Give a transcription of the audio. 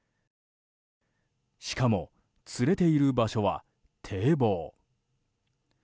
しかも釣れている場所は、堤防。